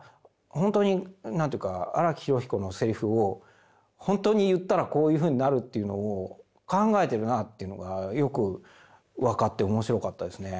本当に何ていうか「荒木飛呂彦のセリフを本当に言ったらこういうふうになる」というのを考えてるなっていうのがよく分かっておもしろかったですね。